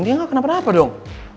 dia gak kena apa apa dong